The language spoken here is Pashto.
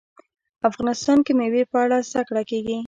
افغانستان کې د مېوې په اړه زده کړه کېږي.